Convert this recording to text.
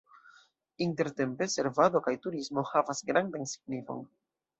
Intertempe servado kaj turismo havas grandan signifon.